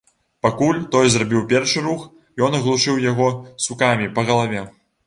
Пакуль той зрабіў першы рух, ён аглушыў яго сукамі па галаве.